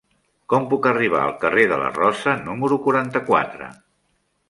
Com puc arribar al carrer de la Rosa número quaranta-quatre?